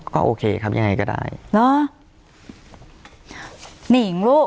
ก็โอเคครับอย่างไรก็ได้